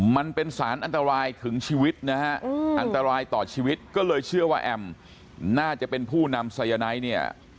มันเป็นสารอันตรายถึงชีวิตนะฮะอันตรายต่อชีวิตก็เลยเชื่อว่าแอมน่าจะเป็นผู้นำสายไนท์เนี่ย